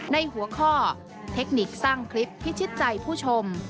ในหัวข้อเทคนิคสร้างคลิปพิชิตใจผู้ชม